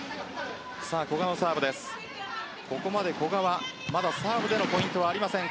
ここまで古賀はまだサーブでのポイントはありません。